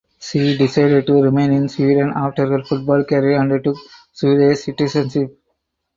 She decided to remain in Sweden after her football career and took Swedish citizenship.